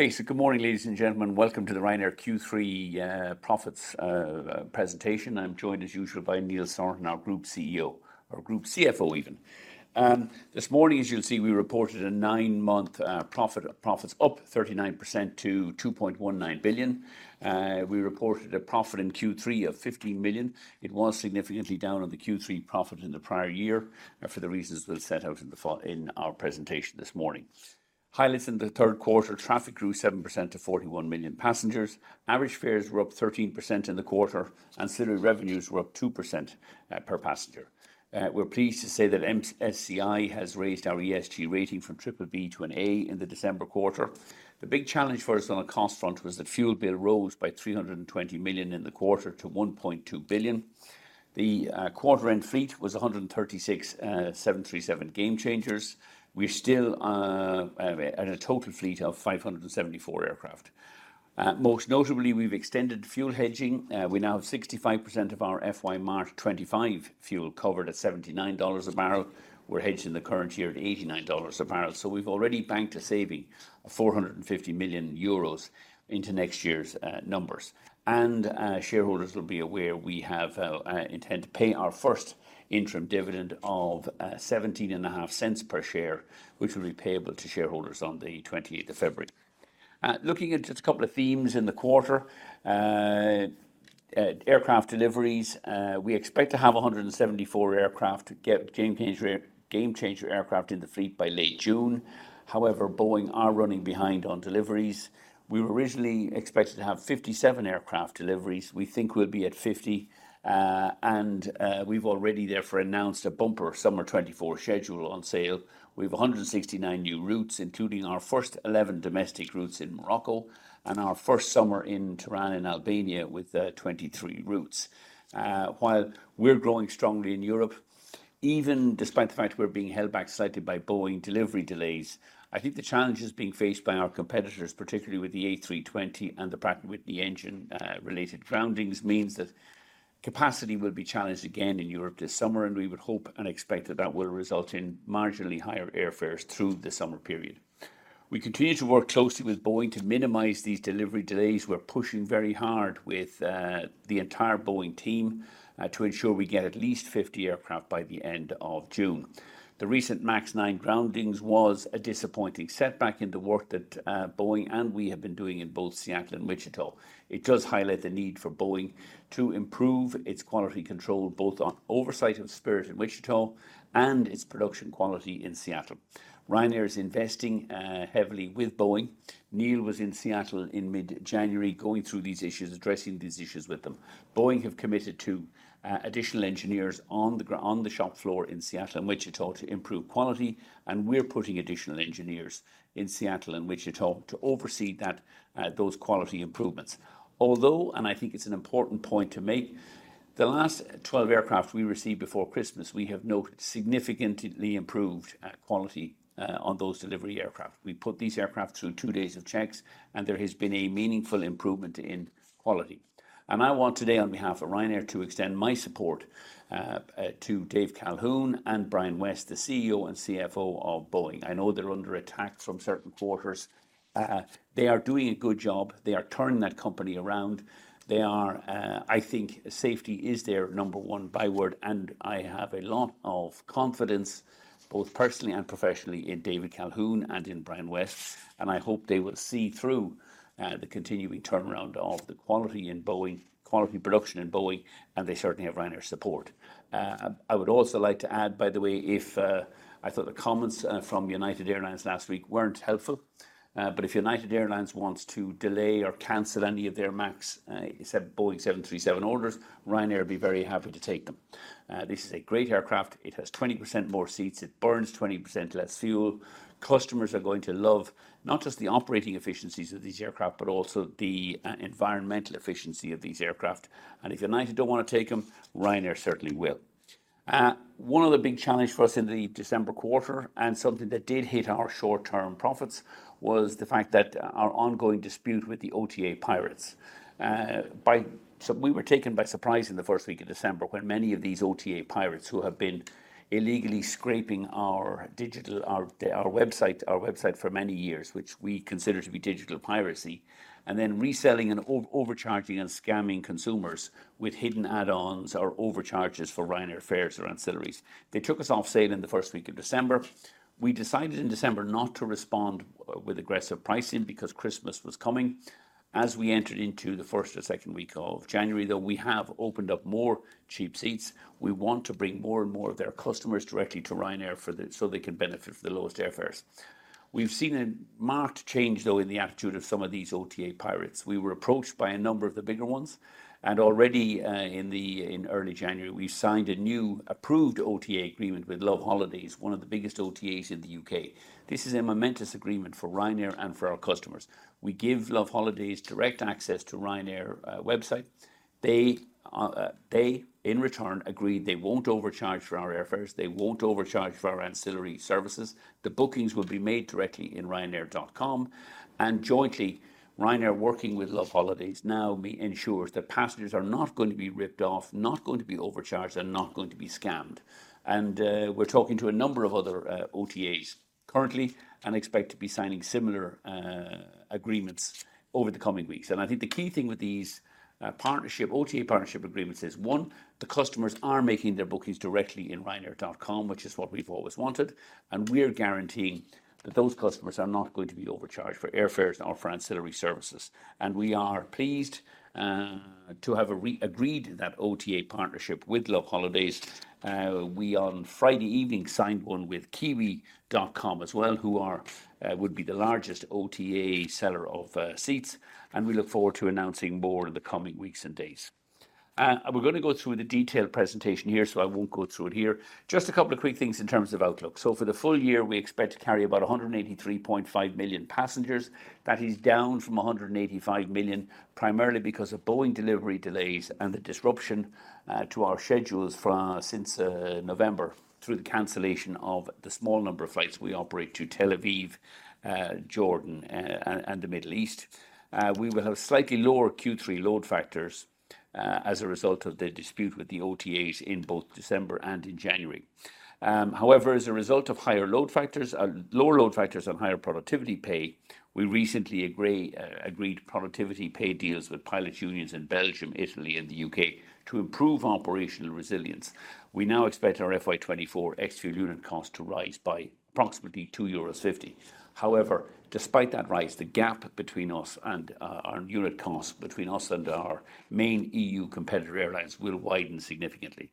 Okay, so good morning, ladies and gentlemen. Welcome to the Ryanair Q3 profits presentation. I'm joined, as usual, by Neil Sorahan, our Group CEO or Group CFO even. This morning, as you'll see, we reported a nine-month profit, profits up 39% to 2.19 billion. We reported a profit in Q3 of 15 million. It was significantly down on the Q3 profit in the prior year, for the reasons we'll set out in our presentation this morning. Highlights in the third quarter: traffic grew 7% to 41 million passengers, average fares were up 13% in the quarter, and ancillary revenues were up 2%, per passenger. We're pleased to say that MSCI has raised our ESG rating from BBB to an A in the December quarter. The big challenge for us on a cost front was that fuel bill rose by 300 million in the quarter to 1.2 billion. The quarter-end fleet was 136 737 Gamechangers. We're still at a total fleet of 574 aircraft. Most notably, we've extended fuel hedging. We now have 65% of our FY March 2025 fuel covered at $79 a barrel. We're hedged in the current year at $89 a barrel, so we've already banked a saving of 450 million euros into next year's numbers. And shareholders will be aware we have intend to pay our first interim dividend of 0.175 per share, which will be payable to shareholders on the 28th of February. Looking into just a couple of themes in the quarter. Aircraft deliveries, we expect to have 174 aircraft, Gamechanger aircraft in the fleet by late June. However, Boeing are running behind on deliveries. We were originally expected to have 57 aircraft deliveries. We think we'll be at 50, and we've already therefore announced a bumper Summer 2024 schedule on sale. We have 169 new routes, including our first 11 domestic routes in Morocco and our first summer in Tirana, in Albania with 23 routes. While we're growing strongly in Europe, even despite the fact we're being held back slightly by Boeing delivery delays, I think the challenges being faced by our competitors, particularly with the A320 and the Pratt & Whitney engine related groundings, means that capacity will be challenged again in Europe this summer, and we would hope and expect that that will result in marginally higher airfares through the summer period. We continue to work closely with Boeing to minimize these delivery delays. We're pushing very hard with the entire Boeing team to ensure we get at least 50 aircraft by the end of June. The recent MAX 9 groundings was a disappointing setback in the work that Boeing and we have been doing in both Seattle and Wichita. It does highlight the need for Boeing to improve its quality control, both on oversight of Spirit in Wichita and its production quality in Seattle. Ryanair is investing heavily with Boeing. Neil was in Seattle in mid-January, going through these issues, addressing these issues with them. Boeing have committed to additional engineers on the shop floor in Seattle and Wichita to improve quality, and we're putting additional engineers in Seattle and Wichita to oversee those quality improvements. Although, and I think it's an important point to make, the last 12 aircraft we received before Christmas, we have noted significantly improved quality on those delivery aircraft. We put these aircraft through two days of checks, and there has been a meaningful improvement in quality. I want today, on behalf of Ryanair, to extend my support to Dave Calhoun and Brian West, the CEO and CFO of Boeing. I know they're under attack from certain quarters. They are doing a good job. They are turning that company around. I think safety is their number one byword, and I have a lot of confidence, both personally and professionally, in David Calhoun and in Brian West, and I hope they will see through the continuing turnaround of the quality in Boeing, quality production in Boeing, and they certainly have Ryanair's support. I would also like to add, by the way, if I thought the comments from United Airlines last week weren't helpful, but if United Airlines wants to delay or cancel any of their MAX 7 Boeing 737 orders, Ryanair would be very happy to take them. This is a great aircraft. It has 20% more seats. It burns 20% less fuel. Customers are going to love not just the operating efficiencies of these aircraft, but also the environmental efficiency of these aircraft. And if United don't wanna take them, Ryanair certainly will. One other big challenge for us in the December quarter, and something that did hit our short-term profits, was the fact that our ongoing dispute with the OTA pirates. By... So we were taken by surprise in the first week of December, when many of these OTA pirates, who have been illegally scraping our website for many years, which we consider to be digital piracy, and then reselling and overcharging and scamming consumers with hidden add-ons or overcharges for Ryanair fares or ancillaries. They took us off sale in the first week of December. We decided in December not to respond with aggressive pricing because Christmas was coming. As we entered into the first or second week of January, though, we have opened up more cheap seats. We want to bring more and more of their customers directly to Ryanair so they can benefit from the lowest airfares. We've seen a marked change, though, in the attitude of some of these OTA pirates. We were approached by a number of the bigger ones, and already, in the, in early January, we've signed a new approved OTA agreement with loveholidays, one of the biggest OTAs in the UK. This is a momentous agreement for Ryanair and for our customers. We give loveholidays direct access to Ryanair website. They, they, in return, agreed they won't overcharge for our airfares. They won't overcharge for our ancillary services. The bookings will be made directly in ryanair.com, and Ryanair working with loveholidays now ensures that passengers are not going to be ripped off, not going to be overcharged, and not going to be scammed. And, we're talking to a number of other, OTAs currently, and expect to be signing similar, agreements over the coming weeks. I think the key thing with these partnership OTA partnership agreements is, one, the customers are making their bookings directly in Ryanair.com, which is what we've always wanted, and we're guaranteeing that those customers are not going to be overcharged for airfares or for ancillary services. We are pleased to have re-agreed that OTA partnership with loveholidays. We, on Friday evening, signed one with Kiwi.com as well, who would be the largest OTA seller of seats, and we look forward to announcing more in the coming weeks and days. We're gonna go through the detailed presentation here, so I won't go through it here. Just a couple of quick things in terms of outlook. For the full year, we expect to carry about 183.5 million passengers. That is down from 185 million, primarily because of Boeing delivery delays and the disruption to our schedules from since November through the cancellation of the small number of flights we operate to Tel Aviv, Jordan, and the Middle East. We will have slightly lower Q3 load factors as a result of the dispute with the OTAs in both December and in January. However, as a result of lower load factors and higher productivity pay, we recently agreed productivity pay deals with pilot unions in Belgium, Italy, and the UK to improve operational resilience. We now expect our FY 2024 ex-fuel unit cost to rise by approximately 2.50 euros. However, despite that rise, the gap between us and our unit cost between us and our main EU competitor airlines will widen significantly.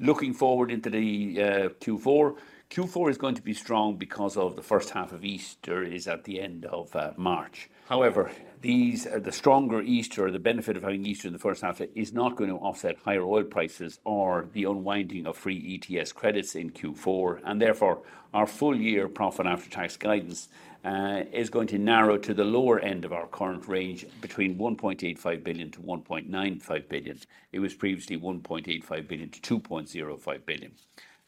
Looking forward into the Q4, Q4 is going to be strong because of the first half of Easter is at the end of March. However, the stronger Easter, the benefit of having Easter in the first half is not going to offset higher oil prices or the unwinding of free ETS credits in Q4, and therefore, our full-year profit after tax guidance is going to narrow to the lower end of our current range, between 1.85 billion-1.95 billion. It was previously 1.85 billion-2.05 billion.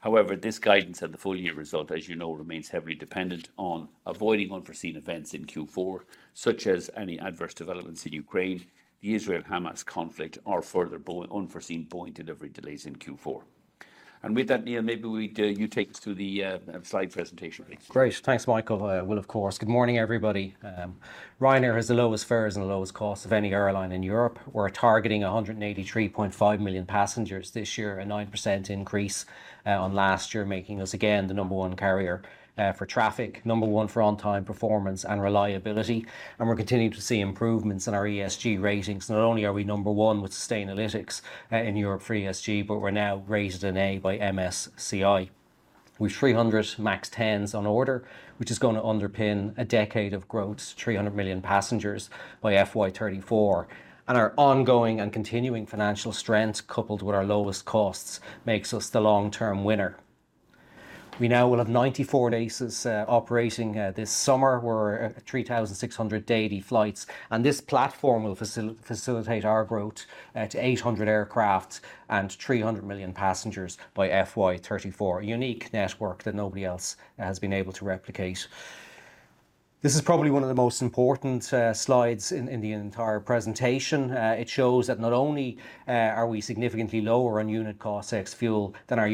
However, this guidance and the full-year result, as you know, remains heavily dependent on avoiding unforeseen events in Q4, such as any adverse developments in Ukraine, the Israel-Hamas conflict, or further unforeseen Boeing delivery delays in Q4. And with that, Neil, maybe we'd you take us through the slide presentation, please. Great. Thanks, Michael. Well, of course. Good morning, everybody. Ryanair has the lowest fares and the lowest costs of any airline in Europe. We're targeting 183.5 million passengers this year, a 9% increase on last year, making us again the number one carrier for traffic, number one for on-time performance and reliability, and we're continuing to see improvements in our ESG ratings. Not only are we number one with Sustainalytics in Europe for ESG, but we're now rated an A by MSCI. With 300 MAX 10s on order, which is gonna underpin a decade of growth, 300 million passengers by FY 2034, and our ongoing and continuing financial strength, coupled with our lowest costs, makes us the long-term winner. We now will have 94 bases operating this summer. We're at 3,680 flights, and this platform will facilitate our growth to 800 aircraft and 300 million passengers by FY 2034. A unique network that nobody else has been able to replicate. This is probably one of the most important slides in the entire presentation. It shows that not only are we significantly lower on unit cost ex-fuel than our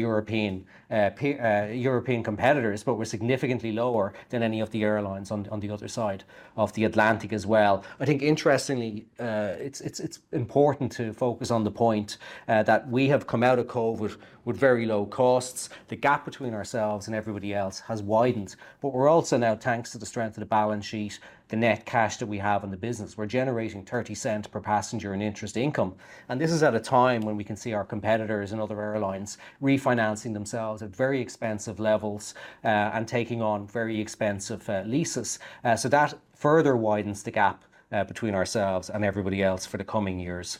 European competitors, but we're significantly lower than any of the airlines on the other side of the Atlantic as well. I think interestingly, it's important to focus on the point that we have come out of COVID with very low costs. The gap between ourselves and everybody else has widened, but we're also now, thanks to the strength of the balance sheet, the net cash that we have in the business, we're generating 0.30 per passenger in interest income. And this is at a time when we can see our competitors and other airlines refinancing themselves at very expensive levels, and taking on very expensive leases. So that further widens the gap between ourselves and everybody else for the coming years.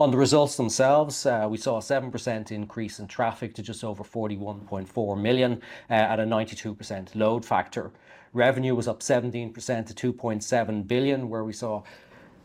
On the results themselves, we saw a 7% increase in traffic to just over 41.4 million at a 92% load factor. Revenue was up 17% to 2.7 billion, where we saw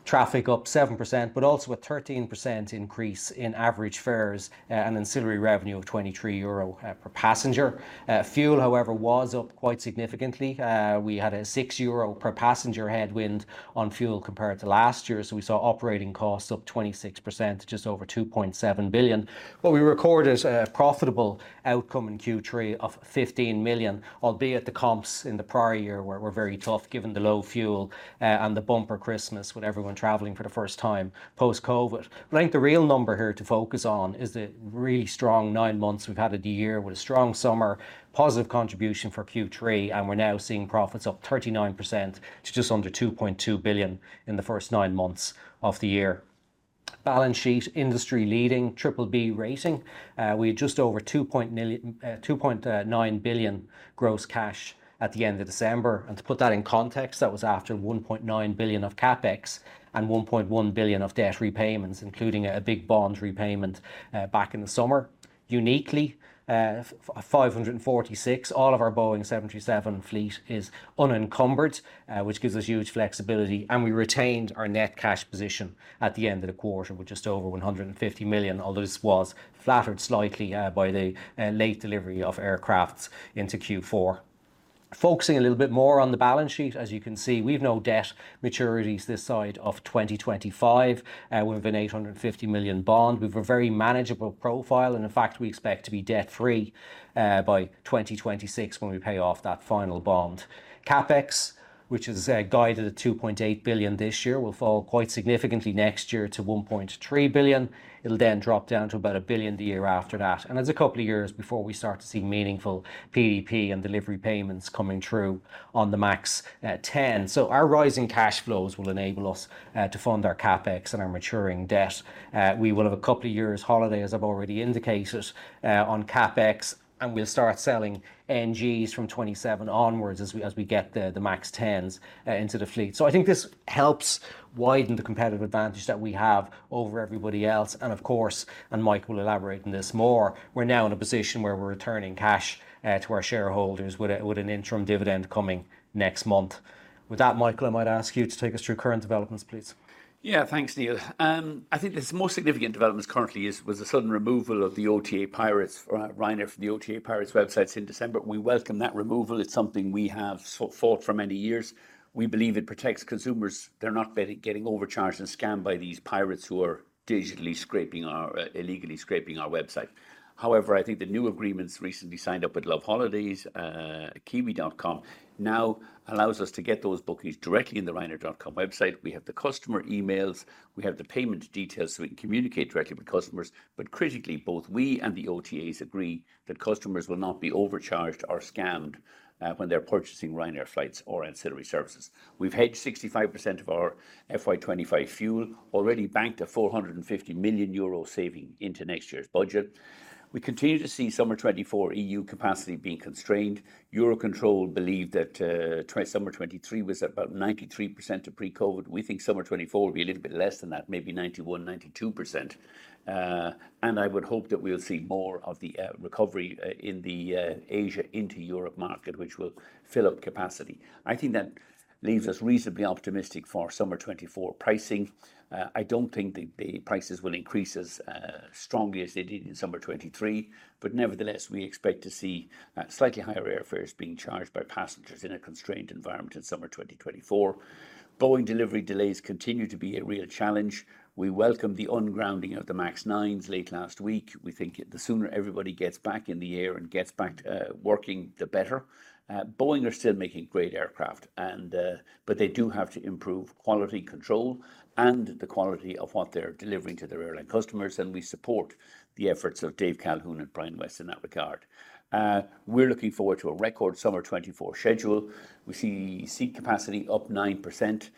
traffic up 7%, but also a 13% increase in average fares, and ancillary revenue of 23 euro per passenger. Fuel, however, was up quite significantly. We had a 6 euro per passenger headwind on fuel compared to last year, so we saw operating costs up 26% to just over 2.7 billion. But we recorded a profitable outcome in Q3 of 15 million, albeit the comps in the prior year were very tough, given the low fuel and the bumper Christmas, with everyone traveling for the first time post-COVID. But I think the real number here to focus on is the really strong nine months we've had of the year, with a strong summer, positive contribution for Q3, and we're now seeing profits up 39% to just under 2.2 billion in the first nine months of the year. Balance sheet, industry-leading BBB rating. We had just over 2.9 billion gross cash at the end of December. To put that in context, that was after 1.9 billion of CapEx and 1.1 billion of debt repayments, including a big bond repayment, back in the summer. Uniquely, 546, all of our Boeing 737 fleet, is unencumbered, which gives us huge flexibility, and we retained our net cash position at the end of the quarter with just over 150 million, although this was flattered slightly, by the, late delivery of aircraft into Q4. Focusing a little bit more on the balance sheet, as you can see, we've no debt maturities this side of 2025. We have an 850 million bond. We've a very manageable profile, and in fact, we expect to be debt-free, by 2026 when we pay off that final bond. CapEx, which is guided at 2.8 billion this year, will fall quite significantly next year to 1.3 billion. It'll then drop down to about 1 billion the year after that, and there's a couple of years before we start to see meaningful PDP and delivery payments coming through on the MAX 10. So our rising cash flows will enable us to fund our CapEx and our maturing debt. We will have a couple of years holiday, as I've already indicated, on CapEx, and we'll start selling NGs from 2027 onwards as we get the MAX 10s into the fleet. I think this helps widen the competitive advantage that we have over everybody else, and of course, and Michael will elaborate on this more, we're now in a position where we're returning cash to our shareholders with an interim dividend coming next month. With that, Michael, I might ask you to take us through current developments, please. Yeah. Thanks, Neil. I think the most significant developments currently was the sudden removal of the OTA pirates or Ryanair from the OTA pirates websites in December. We welcome that removal. It's something we have so fought for many years. We believe it protects consumers. They're not getting overcharged and scammed by these pirates who are digitally scraping our, illegally scraping our website. However, I think the new agreements recently signed up with loveholidays, Kiwi.com, now allows us to get those bookings directly in the Ryanair.com website. We have the customer emails, we have the payment details, so we can communicate directly with customers, but critically, both we and the OTAs agree that customers will not be overcharged or scammed, when they're purchasing Ryanair flights or ancillary services. We've hedged 65% of our FY 2025 fuel, already banked a 450 million euro saving into next year's budget. We continue to see summer 2024 EU capacity being constrained. Eurocontrol believe that summer 2023 was about 93% of pre-COVID. We think summer 2024 will be a little bit less than that, maybe 91%-92%. And I would hope that we'll see more of the recovery in the Asia into Europe market, which will fill up capacity. I think that leaves us reasonably optimistic for summer 2024 pricing. I don't think the prices will increase as strongly as they did in summer 2023, but nevertheless, we expect to see slightly higher airfares being charged by passengers in a constrained environment in summer 2024. Boeing delivery delays continue to be a real challenge. We welcome the ungrounding of the MAX 9s late last week. We think the sooner everybody gets back in the air and gets back to working, the better. Boeing are still making great aircraft, and but they do have to improve quality control and the quality of what they're delivering to their airline customers, and we support the efforts of Dave Calhoun and Brian West in that regard. We're looking forward to a record summer 2024 schedule. We see seat capacity up 9%,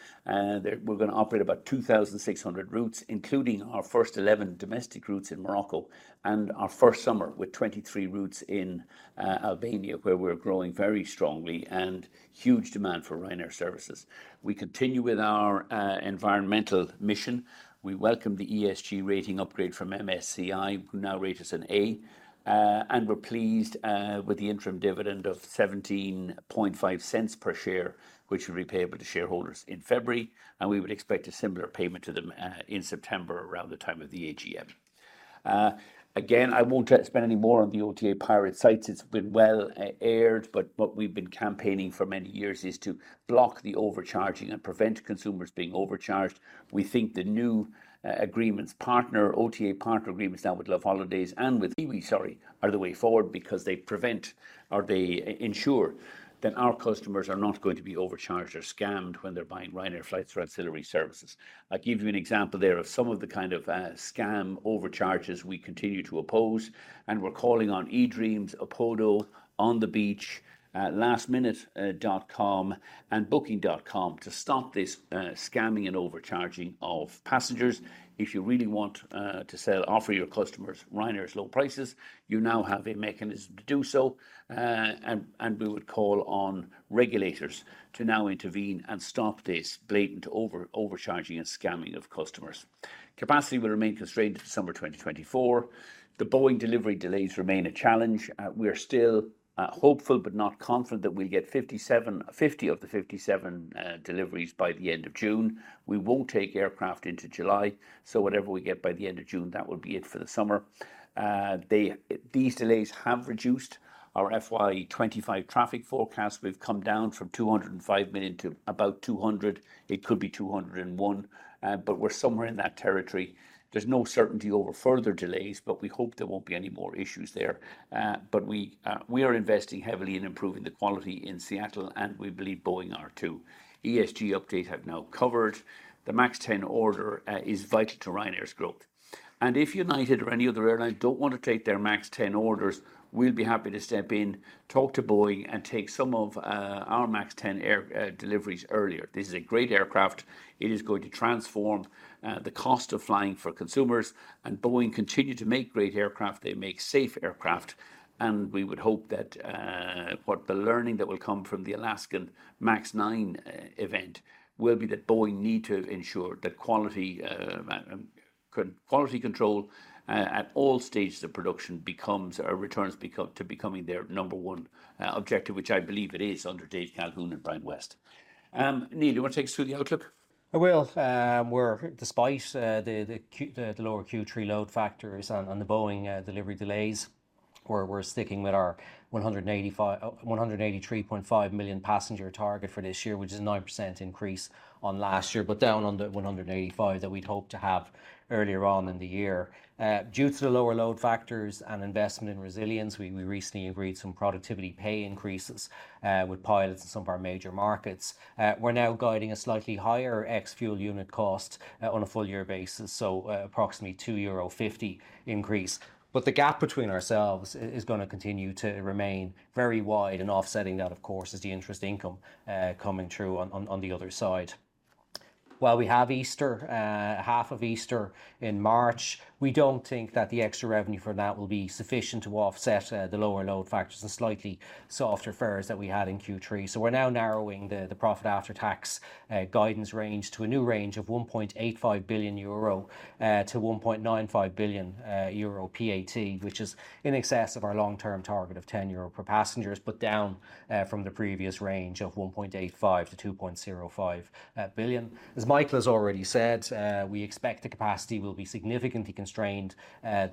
we're going to operate about 2,600 routes, including our first 11 domestic routes in Morocco and our first summer with 23 routes in Albania, where we're growing very strongly and huge demand for Ryanair services. We continue with our environmental mission. We welcome the ESG rating upgrade from MSCI, who now rate us an A. And we're pleased with the interim dividend of 0.175 per share, which will be payable to shareholders in February, and we would expect a similar payment to them in September, around the time of the AGM. Again, I won't spend any more on the OTA pirate sites. It's been well aired, but what we've been campaigning for many years is to block the overcharging and prevent consumers being overcharged. We think the new agreements, partner OTA partner agreements now with loveholidays and with Kiwi.com, sorry, are the way forward because they prevent or they ensure that our customers are not going to be overcharged or scammed when they're buying Ryanair flights or ancillary services. I'll give you an example there of some of the kind of scam overcharges we continue to oppose, and we're calling on eDreams, Opodo, On the Beach, Lastminute.com and Booking.com to stop this scamming and overcharging of passengers. If you really want to sell, offer your customers Ryanair's low prices, you now have a mechanism to do so. And we would call on regulators to now intervene and stop this blatant overcharging and scamming of customers. Capacity will remain constrained into summer 2024. The Boeing delivery delays remain a challenge. We are still hopeful but not confident that we'll get 50 of the 57 deliveries by the end of June. We won't take aircraft into July, so whatever we get by the end of June, that will be it for the summer. The... These delays have reduced our FY 25 traffic forecast. We've come down from 205 million to about 200. It could be 201, but we're somewhere in that territory. There's no certainty over further delays, but we hope there won't be any more issues there. But we, we are investing heavily in improving the quality in Seattle, and we believe Boeing are, too. ESG update I've now covered. The MAX 10 order is vital to Ryanair's growth, and if United or any other airline don't want to take their MAX 10 orders, we'll be happy to step in, talk to Boeing, and take some of, our MAX 10 air, deliveries earlier. This is a great aircraft. It is going to transform, the cost of flying for consumers, and Boeing continue to make great aircraft. They make safe aircraft, and we would hope that what the learning that will come from the Alaska MAX 9 event will be that Boeing need to ensure that quality control at all stages of production becomes or returns to becoming their number one objective, which I believe it is under Dave Calhoun and Brian West. Neil, you want to take us through the outlook? ... I will. We're despite the lower Q3 load factors on the Boeing delivery delays, we're sticking with our 183.5 million passenger target for this year, which is a 9% increase on last year, but down on the 185 that we'd hoped to have earlier on in the year. Due to the lower load factors and investment in resilience, we recently agreed some productivity pay increases with pilots in some of our major markets. We're now guiding a slightly higher ex-fuel unit cost on a full-year basis, so approximately 2.50 euro increase. But the gap between ourselves is gonna continue to remain very wide, and offsetting that, of course, is the interest income coming through on the other side. While we have Easter, half of Easter in March, we don't think that the extra revenue for that will be sufficient to offset the lower load factors and slightly softer fares that we had in Q3. So we're now narrowing the profit after tax guidance range to a new range of 1.85 billion-1.95 billion euro PAT, which is in excess of our long-term target of 10 euro per passengers, but down from the previous range of 1.85 billion-2.05 billion. As Michael has already said, we expect the capacity will be significantly constrained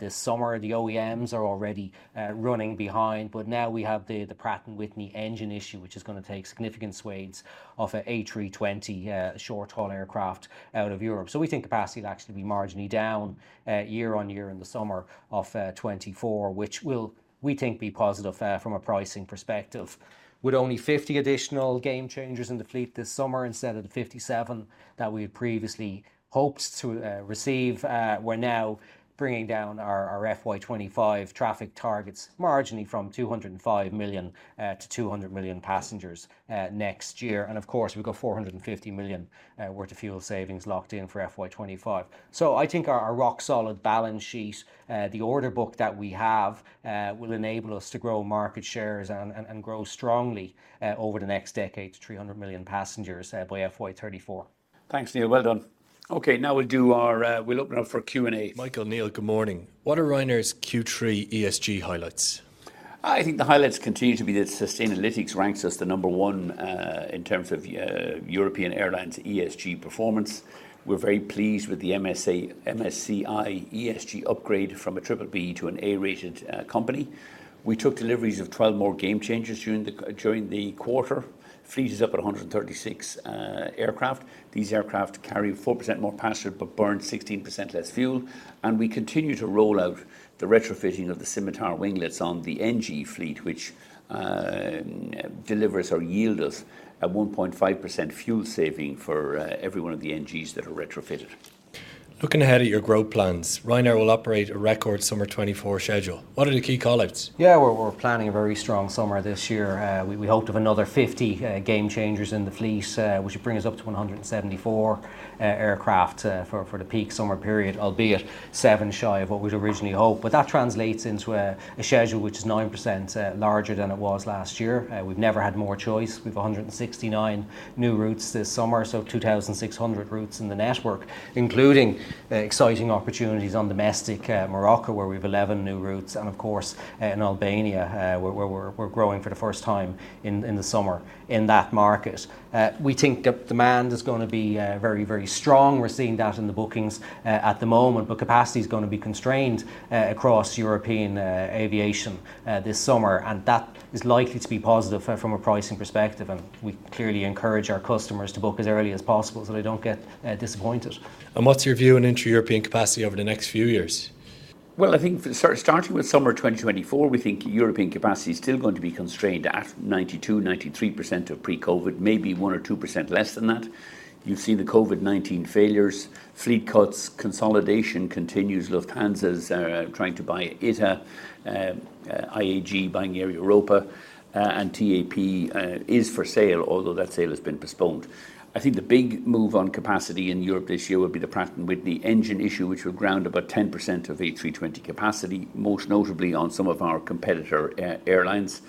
this summer. The OEMs are already running behind, but now we have the Pratt & Whitney engine issue, which is gonna take significant swathes of A320 short-haul aircraft out of Europe. So we think capacity will actually be marginally down year-on-year in the summer of 2024, which will, we think, be positive from a pricing perspective. With only 50 additional Gamechangers in the fleet this summer instead of the 57 that we had previously hoped to receive, we're now bringing down our FY25 traffic targets marginally from 205 million to 200 million passengers next year. And of course, we've got 450 million worth of fuel savings locked in for FY25. So I think our rock-solid balance sheet, the order book that we have, will enable us to grow market shares and grow strongly over the next decade to 300 million passengers by FY34. Thanks, Neil. Well done. Okay, now we'll do our... We'll open up for Q&A. Michael, Neill, good morning. What are Ryanair's Q3 ESG highlights? I think the highlights continue to be that Sustainalytics ranks us the number one in terms of European airlines ESG performance. We're very pleased with the MSCI ESG upgrade from a BBB to an A-rated company. We took deliveries of 12 more Gamechangers during the quarter. Fleet is up at 136 aircraft. These aircraft carry 4% more passengers but burn 16% less fuel. We continue to roll out the retrofitting of the Scimitar winglets on the NG fleet, which delivers or yield us a 1.5% fuel saving for every one of the NGs that are retrofitted. Looking ahead at your growth plans, Ryanair will operate a record summer 2024 schedule. What are the key call-outs? Yeah, we're planning a very strong summer this year. We hope to have another 50 Gamechangers in the fleet, which will bring us up to 174 aircraft for the peak summer period, albeit 7 shy of what we'd originally hoped. But that translates into a schedule which is 9% larger than it was last year. We've never had more choice. We've 169 new routes this summer, so 2,600 routes in the network, including exciting opportunities on domestic Morocco, where we have 11 new routes, and of course, in Albania, where we're growing for the first time in the summer in that market. We think demand is gonna be very, very strong. We're seeing that in the bookings at the moment, but capacity is gonna be constrained across European aviation this summer, and that is likely to be positive from a pricing perspective, and we clearly encourage our customers to book as early as possible so they don't get disappointed. What's your view on intra-European capacity over the next few years? Well, I think for starting with summer 2024, we think European capacity is still going to be constrained at 92%-93% of pre-COVID, maybe 1% or 2% less than that. You've seen the COVID-19 failures, fleet cuts, consolidation continues. Lufthansa's trying to buy ITA, IAG buying Air Europa, and TAP is for sale, although that sale has been postponed. I think the big move on capacity in Europe this year will be the Pratt & Whitney engine issue, which will ground about 10% of A320 capacity, most notably on some of our competitor airlines.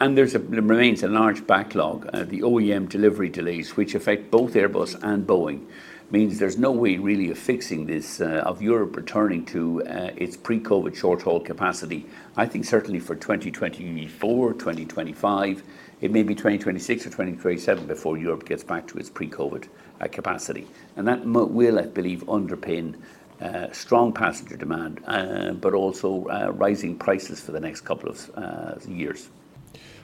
And there remains a large backlog. The OEM delivery delays, which affect both Airbus and Boeing, means there's no way really of fixing this, of Europe returning to its pre-COVID short-haul capacity. I think certainly for 2024, 2025, it may be 2026 or 2027 before Europe gets back to its pre-COVID capacity. And that will, I believe, underpin strong passenger demand, but also rising prices for the next couple of years.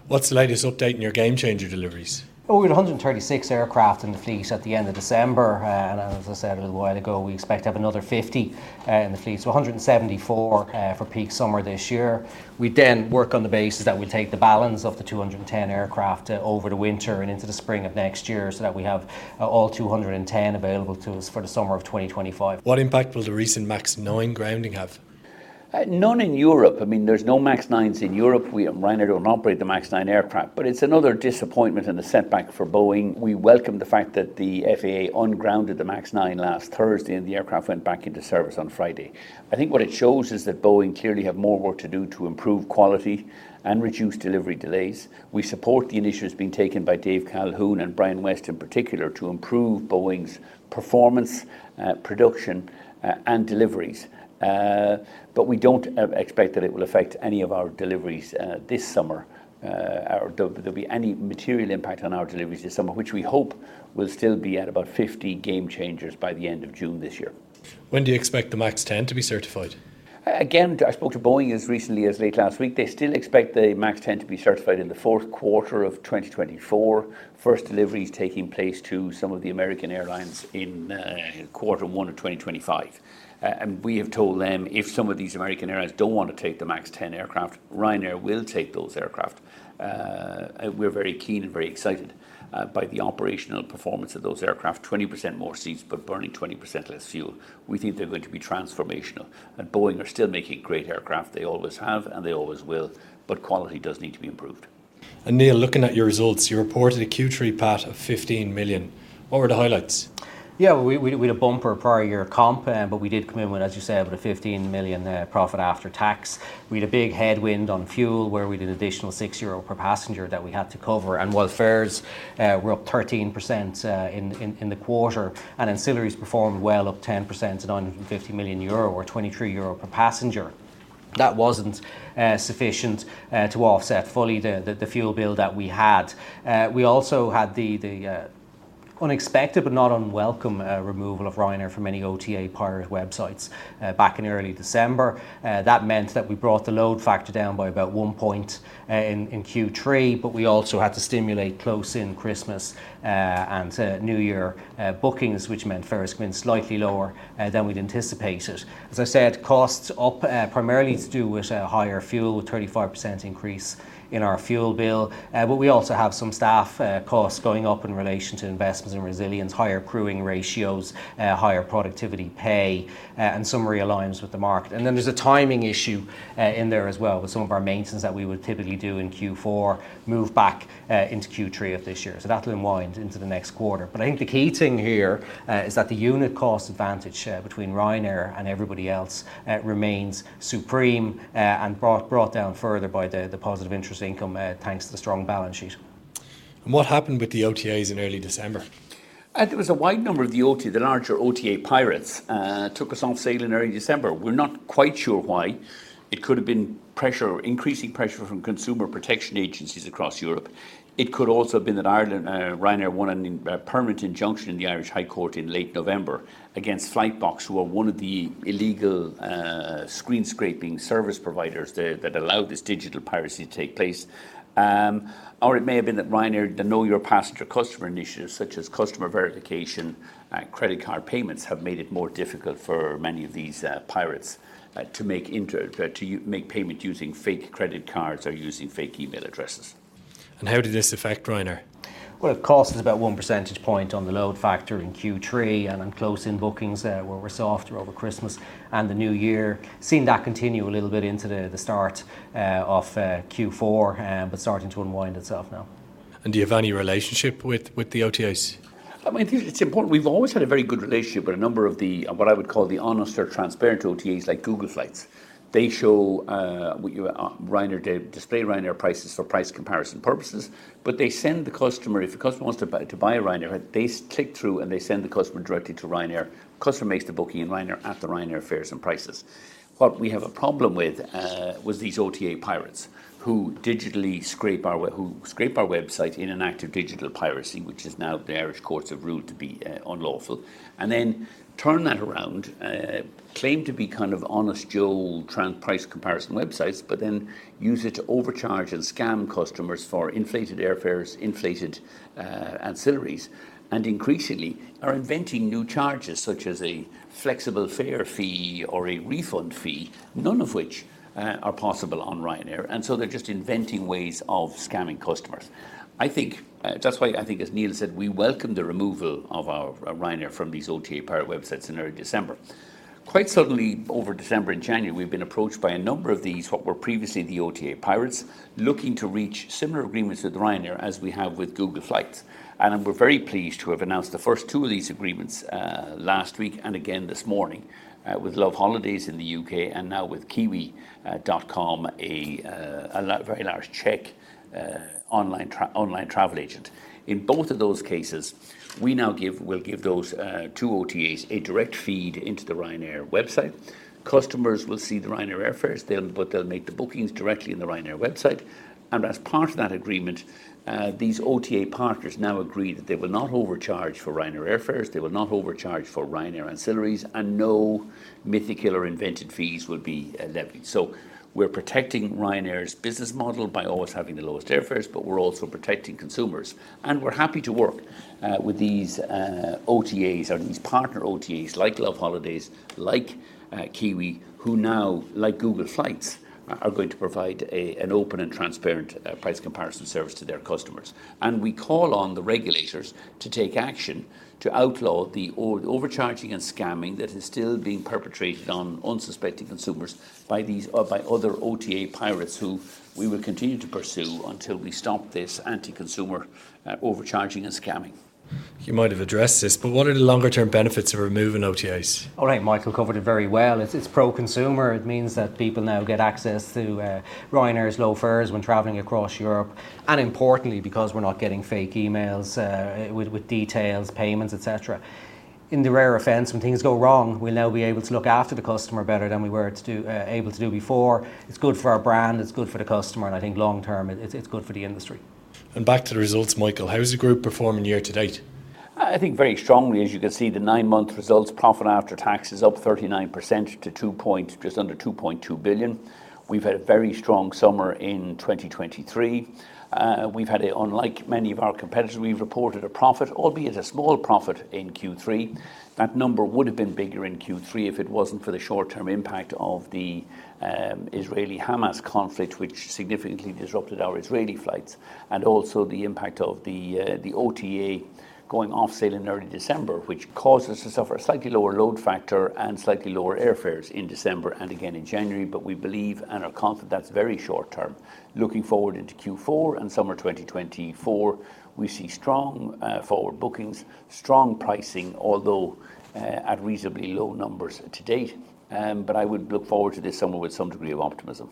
What's the latest update on your Gamechanger deliveries? Oh, we had 136 aircraft in the fleet at the end of December. And as I said a little while ago, we expect to have another 50 in the fleet, so 174 for peak summer this year. We then work on the basis that we take the balance of the 210 aircraft over the winter and into the spring of next year so that we have all 210 available to us for the summer of 2025. What impact will the recent MAX 9 grounding have? None in Europe. I mean, there's no MAX 9s in Europe. We at Ryanair don't operate the MAX 9 aircraft. But it's another disappointment and a setback for Boeing. We welcome the fact that the FAA ungrounded the MAX 9 last Thursday, and the aircraft went back into service on Friday. I think what it shows is that Boeing clearly have more work to do to improve quality and reduce delivery delays. We support the initiatives being taken by Dave Calhoun and Brian West in particular, to improve Boeing's performance, production, and deliveries. But we don't expect that it will affect any of our deliveries, this summer, or there'll be any material impact on our deliveries this summer, which we hope will still be at about 50 Gamechangers by the end of June this year. When do you expect the MAX 10 to be certified?... Again, I spoke to Boeing as recently as late last week. They still expect the MAX 10 to be certified in the fourth quarter of 2024, first deliveries taking place to some of the American airlines in quarter one of 2025. We have told them if some of these American airlines don't want to take the MAX 10 aircraft, Ryanair will take those aircraft. We're very keen and very excited by the operational performance of those aircraft: 20% more seats, but burning 20% less fuel. We think they're going to be transformational. Boeing are still making great aircraft. They always have, and they always will, but quality does need to be improved. Neil, looking at your results, you reported a Q3 PAT of 15 million. What were the highlights? Yeah, we had a bumper prior year comp, but we did come in with, as you said, with a 15 million profit after tax. We had a big headwind on fuel, where we did additional 6 euro per passenger that we had to cover. And while fares were up 13% in the quarter, and ancillaries performed well, up 10% to 950 million euro or 23 euro per passenger, that wasn't sufficient to offset fully the fuel bill that we had. We also had the unexpected but not unwelcome removal of Ryanair from any OTA pirate websites back in early December. That meant that we brought the load factor down by about one point in Q3, but we also had to stimulate close-in Christmas and New Year bookings, which meant fares came in slightly lower than we'd anticipated. As I said, costs up, primarily to do with higher fuel, a 35% increase in our fuel bill. But we also have some staff costs going up in relation to investments in resilience, higher crewing ratios, higher productivity pay, and some realigns with the market. And then there's a timing issue in there as well, with some of our maintenance that we would typically do in Q4 move back into Q3 of this year. So that'll unwind into the next quarter. But I think the key thing here is that the unit cost advantage between Ryanair and everybody else remains supreme and brought down further by the positive interest income thanks to the strong balance sheet. What happened with the OTAs in early December? There was a wide number of the larger OTA pirates took us off sale in early December. We're not quite sure why. It could have been pressure, increasing pressure from consumer protection agencies across Europe. It could also have been that Ireland, Ryanair won a permanent injunction in the Irish High Court in late November against Flightbox, who are one of the illegal screen-scraping service providers that allow this digital piracy to take place. Or it may have been that Ryanair, the know-your-passenger customer initiatives, such as customer verification and credit card payments, have made it more difficult for many of these pirates to make payment using fake credit cards or using fake email addresses. How did this affect Ryanair? Well, it cost us about one percentage point on the load factor in Q3, and on close-in bookings, where we're softer over Christmas and the new year. Seen that continue a little bit into the start of Q4, but starting to unwind itself now. Do you have any relationship with the OTAs? I mean, I think it's important. We've always had a very good relationship with a number of the, what I would call the honest or transparent OTAs, like Google Flights. They show what Ryanair did display Ryanair prices for price comparison purposes, but they send the customer. If a customer wants to buy a Ryanair, they click through, and they send the customer directly to Ryanair. Customer makes the booking in Ryanair at the Ryanair fares and prices. What we have a problem with was these OTA pirates, who digitally scrape our website in an act of digital piracy, which the Irish courts have now ruled to be unlawful, and then turn that around, claim to be kind of honest Joe transparent price comparison websites, but then use it to overcharge and scam customers for inflated airfares, inflated ancillaries, and increasingly are inventing new charges, such as a flexible fare fee or a refund fee, none of which are possible on Ryanair. And so they're just inventing ways of scamming customers. I think that's why I think, as Neil said, we welcome the removal of Ryanair from these OTA pirate websites in early December. Quite suddenly, over December and January, we've been approached by a number of these, what were previously the OTA pirates, looking to reach similar agreements with Ryanair as we have with Google Flights. We're very pleased to have announced the first two of these agreements, last week and again this morning, with loveholidays in the UK and now with Kiwi.com, a very large Czech online travel agent. In both of those cases, we'll give those two OTAs a direct feed into the Ryanair website. Customers will see the Ryanair airfares, but they'll make the bookings directly in the Ryanair website. As part of that agreement, these OTA partners now agree that they will not overcharge for Ryanair airfares, they will not overcharge for Ryanair ancillaries, and no mythical or invented fees will be levied. So we're protecting Ryanair's business model by always having the lowest airfares, but we're also protecting consumers. We're happy to work with these OTAs, or these partner OTAs, like loveholidays, like Kiwi, who now, like Google Flights, are going to provide an open and transparent price comparison service to their customers. We call on the regulators to take action to outlaw the overcharging and scamming that is still being perpetrated on unsuspecting consumers by these, or by other OTA pirates, who we will continue to pursue until we stop this anti-consumer overcharging and scamming. You might have addressed this, but what are the longer-term benefits of removing OTAs? I think Michael covered it very well. It's pro-consumer. It means that people now get access to Ryanair's low fares when traveling across Europe, and importantly, because we're not getting fake emails with details, payments, et cetera. In the rare event when things go wrong, we'll now be able to look after the customer better than we were able to do before. It's good for our brand, it's good for the customer, and I think long term, it's good for the industry. Back to the results, Michael, how is the group performing year to date?... I think very strongly, as you can see, the nine-month results, profit after tax is up 39% to just under 2.2 billion. We've had a very strong summer in 2023. We've had unlike many of our competitors, we've reported a profit, albeit a small profit, in Q3. That number would have been bigger in Q3 if it wasn't for the short-term impact of the Israeli-Hamas conflict, which significantly disrupted our Israeli flights, and also the impact of the OTA going off sale in early December, which caused us to suffer a slightly lower load factor and slightly lower airfares in December and again in January. But we believe and are confident that's very short term. Looking forward into Q4 and summer 2024, we see strong forward bookings, strong pricing, although at reasonably low numbers to date. I would look forward to this summer with some degree of optimism.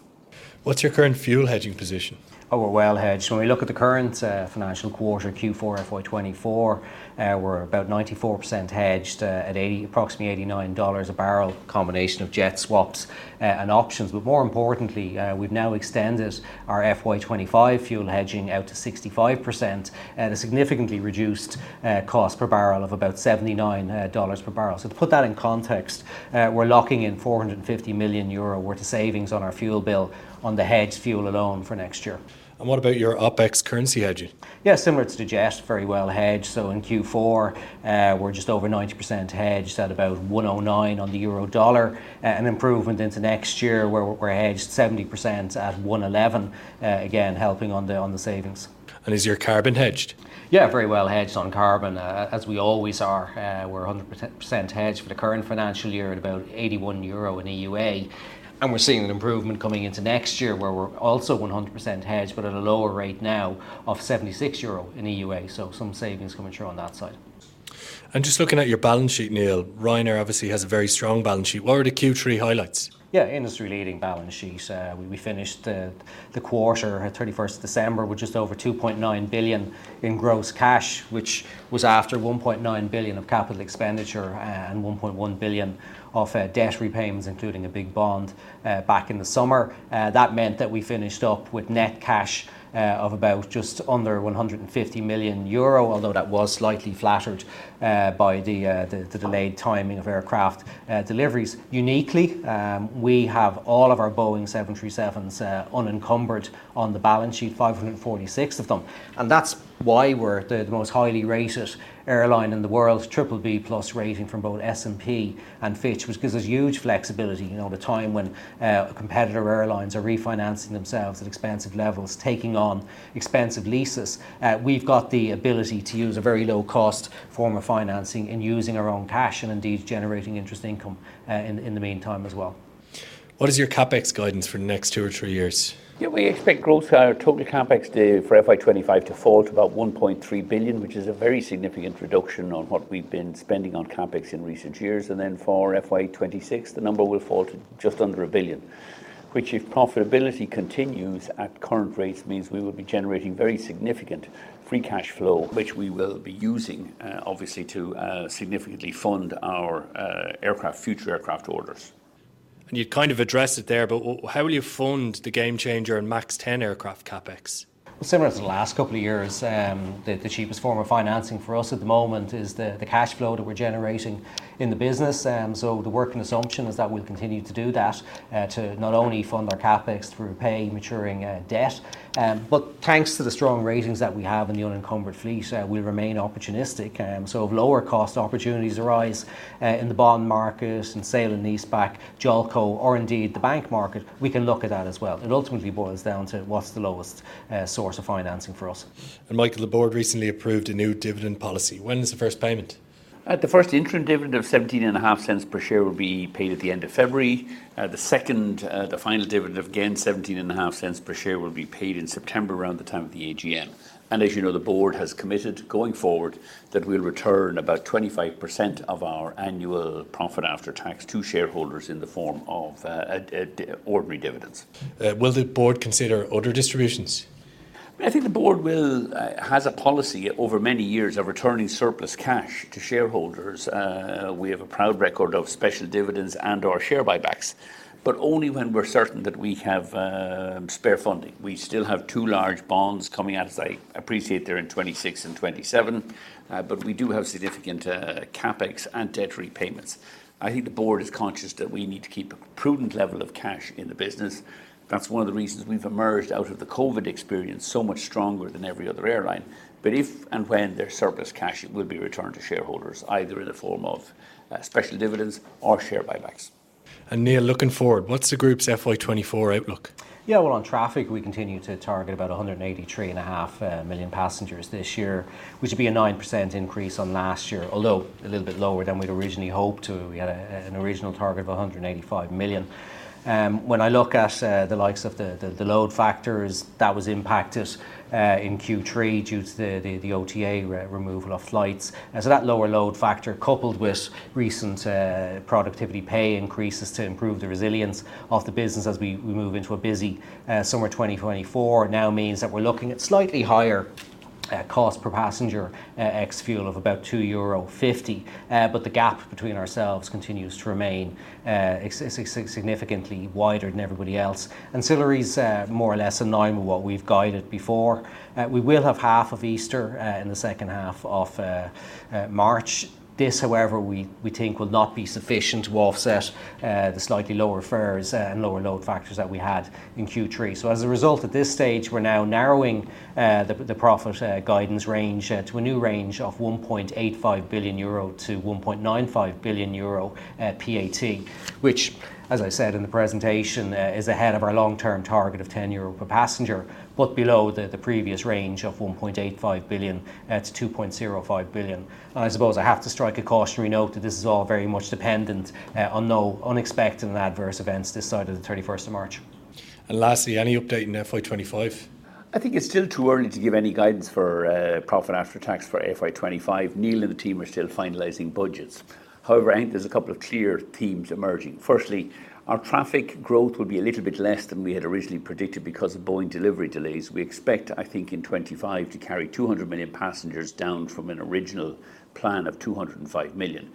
What's your current fuel hedging position? Oh, we're well-hedged. When we look at the current financial quarter, Q4 FY24, we're about 94% hedged at approximately $89 a barrel, combination of jet swaps and options. But more importantly, we've now extended our FY25 fuel hedging out to 65% at a significantly reduced cost per barrel of about $79 dollars per barrel. So to put that in context, we're locking in 450 million euro worth of savings on our fuel bill on the hedged fuel alone for next year. What about your OpEx currency hedging? Yeah, similar to the jet, very well hedged. So in Q4, we're just over 90% hedged at about 109 on the euro-dollar, and improvement into next year, where we're hedged 70% at 111, again, helping on the, on the savings. Is your carbon hedged? Yeah, very well hedged on carbon, as we always are. We're 100% hedged for the current financial year at about 81 euro in EUA, and we're seeing an improvement coming into next year, where we're also 100% hedged, but at a lower rate now of 76 euro in EUA, so some savings coming through on that side. Just looking at your balance sheet, Neil, Ryanair obviously has a very strong balance sheet. What are the Q3 highlights? Yeah, industry-leading balance sheet. We finished the quarter at 31st December with just over 2.9 billion in gross cash, which was after 1.9 billion of capital expenditure and 1.1 billion of debt repayments, including a big bond back in the summer. That meant that we finished up with net cash of about just under 150 million euro, although that was slightly flattered by the delayed timing of aircraft deliveries. Uniquely, we have all of our Boeing 737s unencumbered on the balance sheet, 546 of them, and that's why we're the most highly rated airline in the world, BBB+ rating from both S&P and Fitch, which gives us huge flexibility. You know, at a time when competitor airlines are refinancing themselves at expensive levels, taking on expensive leases, we've got the ability to use a very low-cost form of financing in using our own cash and indeed generating interest income in the meantime as well. What is your CapEx guidance for the next two or three years? Yeah, we expect gross total CapEx for FY25 to fall to about 1.3 billion, which is a very significant reduction on what we've been spending on CapEx in recent years. Then for FY26, the number will fall to just under 1 billion, which, if profitability continues at current rates, means we will be generating very significant free cash flow, which we will be using, obviously, to significantly fund our aircraft, future aircraft orders. You kind of addressed it there, but how will you fund the Gamechanger and MAX 10 aircraft CapEx? Well, similar to the last couple of years, the cheapest form of financing for us at the moment is the cash flow that we're generating in the business. So the working assumption is that we'll continue to do that, to not only fund our CapEx through repaying maturing debt, but thanks to the strong ratings that we have and the unencumbered fleet, we'll remain opportunistic. So if lower-cost opportunities arise in the bond market, and sale and lease-back, JOLCO, or indeed the bank market, we can look at that as well. It ultimately boils down to: What's the lowest source of financing for us? Michael, the board recently approved a new dividend policy. When is the first payment? The first interim dividend of $0.175 per share will be paid at the end of February. The second, the final dividend of again $0.175 per share, will be paid in September, around the time of the AGM. As you know, the board has committed, going forward, that we'll return about 25% of our annual profit after tax to shareholders in the form of ordinary dividends. Will the board consider other distributions? I think the board has a policy over many years of returning surplus cash to shareholders. We have a proud record of special dividends and/or share buybacks, but only when we're certain that we have spare funding. We still have two large bonds coming out, as I appreciate, they're in 2026 and 2027, but we do have significant CapEx and debt repayments. I think the board is conscious that we need to keep a prudent level of cash in the business. That's one of the reasons we've emerged out of the COVID experience so much stronger than every other airline. But if and when there's surplus cash, it will be returned to shareholders, either in the form of special dividends or share buybacks. Neil, looking forward, what's the group's FY 2024 outlook? Yeah, well, on traffic, we continue to target about 183.5 million passengers this year, which would be a 9% increase on last year, although a little bit lower than we'd originally hoped to. We had an original target of 185 million. When I look at the likes of the load factors, that was impacted in Q3 due to the OTA removal of flights. And so that lower load factor, coupled with recent productivity pay increases to improve the resilience of the business as we move into a busy summer 2024, now means that we're looking at slightly higher cost per passenger ex-fuel of about 2.50 euro. But the gap between ourselves continues to remain significantly wider than everybody else. Ancillary is more or less in line with what we've guided before. We will have half of Easter in the second half of March. This, however, we think will not be sufficient to offset the slightly lower fares and lower load factors that we had in Q3. So as a result, at this stage, we're now narrowing the profit guidance range to a new range of 1.85 billion-1.95 billion euro PAT. Which, as I said in the presentation, is ahead of our long-term target of 10 euro per passenger, but below the previous range of 1.85 billion-2.05 billion. And I suppose I have to strike a cautionary note that this is all very much dependent on no unexpected and adverse events this side of the 31st of March. Lastly, any update on FY25? I think it's still too early to give any guidance for profit after tax for FY25. Neil and the team are still finalizing budgets. However, I think there's a couple of clear themes emerging. Firstly, our traffic growth will be a little bit less than we had originally predicted because of Boeing delivery delays. We expect, I think, in 2025, to carry 200 million passengers, down from an original plan of 205 million.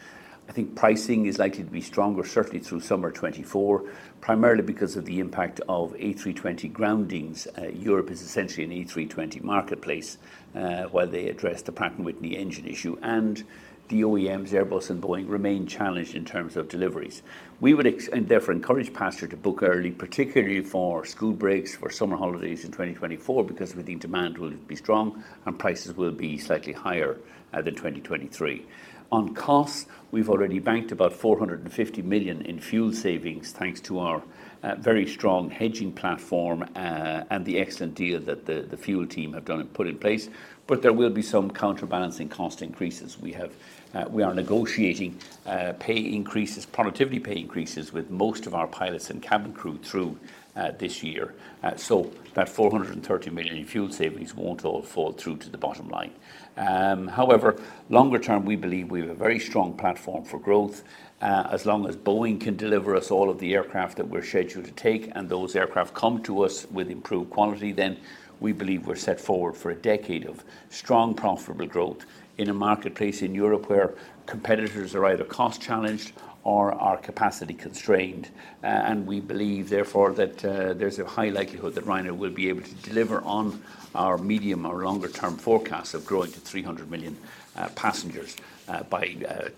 I think pricing is likely to be stronger, certainly through summer 2024, primarily because of the impact of A320 groundings. Europe is essentially an A320 marketplace, while they address the Pratt & Whitney engine issue. And the OEMs, Airbus and Boeing, remain challenged in terms of deliveries. We would and therefore encourage passengers to book early, particularly for school breaks, for summer holidays in 2024, because we think demand will be strong and prices will be slightly higher than 2023. On costs, we've already banked about 450 million in fuel savings, thanks to our very strong hedging platform and the excellent deal that the fuel team have done and put in place. But there will be some counterbalancing cost increases. We are negotiating pay increases, productivity pay increases with most of our pilots and cabin crew through this year. So that 430 million in fuel savings won't all fall through to the bottom line. However, longer term, we believe we have a very strong platform for growth. As long as Boeing can deliver us all of the aircraft that we're scheduled to take, and those aircraft come to us with improved quality, then we believe we're set forward for a decade of strong, profitable growth in a marketplace in Europe where competitors are either cost-challenged or are capacity-constrained. And we believe, therefore, that there's a high likelihood that Ryanair will be able to deliver on our medium or longer-term forecasts of growing to 300 million passengers by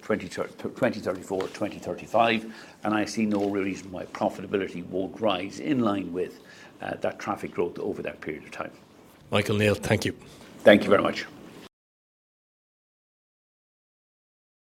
2034, 2035. And I see no real reason why profitability won't rise in line with that traffic growth over that period of time. Michael, Neil, thank you. Thank you very much.